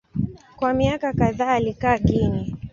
Kwa miaka kadhaa alikaa Guinea.